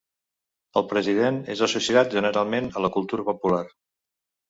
El president és associat generalment a la cultura popular.